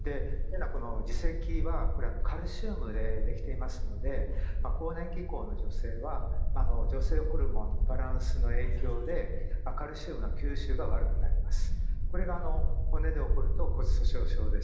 耳石はカルシウムでできていますので更年期以降の女性は女性ホルモンのバランスの影響でカルシウムの吸収が悪くなります。